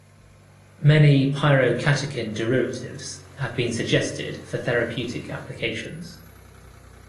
Many pyrocatechin derivatives have been suggested for therapeutic applications.